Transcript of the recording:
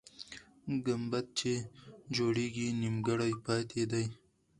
ګمبد چې جوړېږي، نیمګړی پاتې دی.